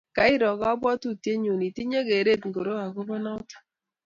kairo kabwatitaetnyo itinye keret ngoro akobo notok